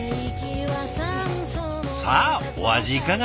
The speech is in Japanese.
さあお味いかがです？